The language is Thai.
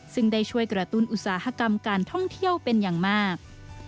ซึ่งได้ช่วยกระตุ้นอุตสาหกรรมการท่องเที่ยวเป็นอย่างมาก